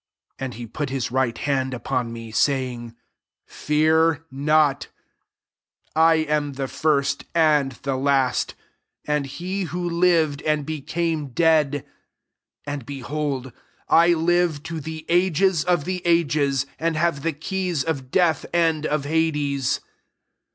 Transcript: And he put his right hand upon me, say ing, « Fear not : I am the first, and the last; 18 and he who lived, and became dead; and, belftdld, I live to the ages* of the ages, and have the keys of death and of hades.